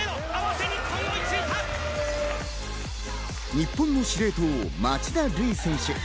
日本の司令塔・町田瑠唯選手。